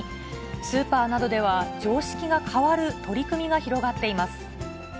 スーパーなどでは常識が変わる取り組みが広がっています。